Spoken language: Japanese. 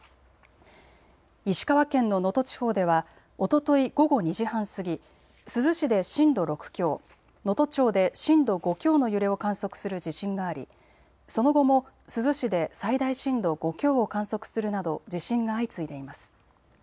石川県の能登地方ではおととい午後２時半過ぎ、珠洲市で震度６強、能登町で震度５強の揺れを観測する地震があり、その後も珠洲市で最大震度５強を観測するなど地震が相次いでいます。